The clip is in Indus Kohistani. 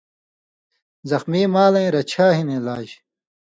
زخمی مالَیں رچھا ہِن علاج